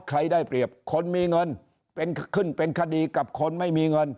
ได้เปรียบคนมีเงินเป็นขึ้นเป็นคดีกับคนไม่มีเงิน